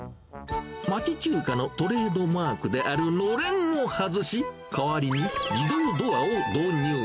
町中華のトレードマークであるのれんを外し、代わりに自動ドアを導入。